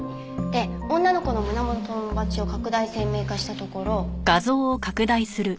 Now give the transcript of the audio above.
で女の子の胸元のバッジを拡大鮮明化したところ。